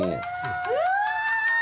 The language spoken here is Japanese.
うわ！